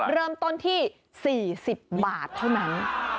เริ่มต้นที่๔๐บาทเท่านั้น